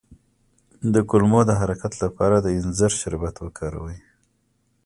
د کولمو د حرکت لپاره د انجیر شربت وکاروئ